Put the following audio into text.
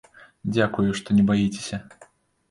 Дзякую, што не баіцеся!